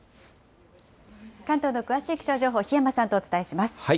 関東の詳しい気象情報、檜山さんとお伝えします。